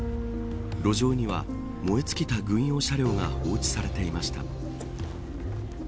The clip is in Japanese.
路上には燃え尽きた軍用車両が放置されていました。